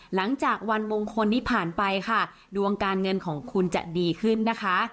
หลังจากวันมงคลนี้ผ่านไปค่ะดวงการเงินของคุณจะดีขึ้นนะคะ